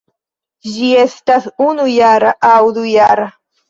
Ĝi estas unujara aŭ dujara.